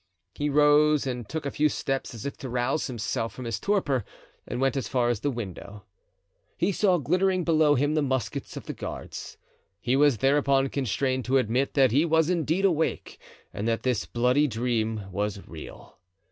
He rose and took a few steps as if to rouse himself from his torpor and went as far as the window; he saw glittering below him the muskets of the guards. He was thereupon constrained to admit that he was indeed awake and that his bloody dream was real.